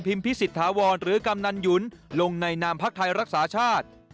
พิสิทธาวรหรือกำนันหยุนลงในนามพักไทยรักษาชาติ